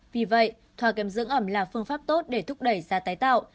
vì vậy thoa kem dưỡng ẩm là phương pháp tốt để thúc đẩy da tái tạo